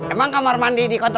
emang kamar mandi di kota